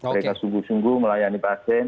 mereka sungguh sungguh melayani pasien